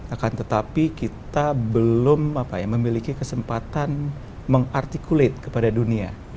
akan tetapi kita belum memiliki kesempatan mengartikulat kepada dunia